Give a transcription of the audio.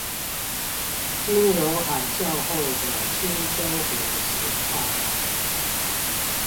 金融海嘯後的新生活形態